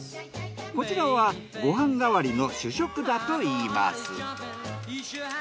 こちらはご飯代わりの主食だといいます。